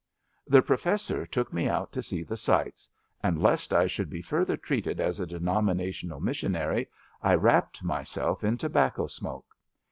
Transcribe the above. The Professor took me out to see the sights, and lest I should be further treated as a denomina tional missionary I wrapped myself in tobacco smoke.